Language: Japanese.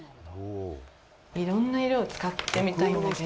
いろんな色を使ってみたいんだけど。